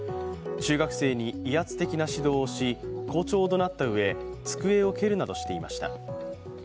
中学生に威圧的な指導をし、校長を怒鳴ったうえ、机を蹴るなどしていました。